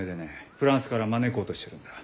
フランスから招こうとしてるんだ。